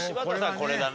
これだな。